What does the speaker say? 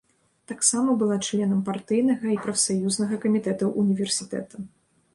Таксама была членам партыйнага і прафсаюзнага камітэтаў універсітэта.